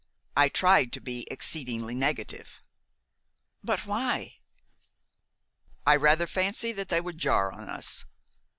"I tried to be exceedingly negative." "But why?" "I rather fancy that they would jar on us."